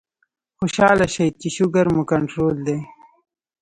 خوشاله شئ چې شوګر مو کنټرول دے